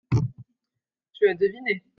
Tu as deviné.